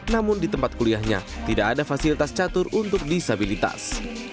namun di tempat kuliahnya tidak ada fasilitas catur untuk disabilitas